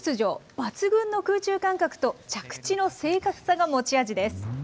抜群の空中感覚と着地の正確さが持ち味です。